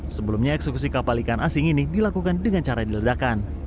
sebelumnya eksekusi kapal ikan asing ini dilakukan dengan cara diledakan